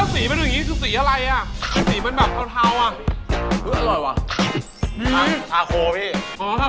สีมันแบบยังไงสีอะไรอ่ะ